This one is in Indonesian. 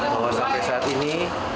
bahwa sampai saat ini